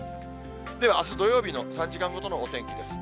では、あす土曜日の３時間ごとのお天気です。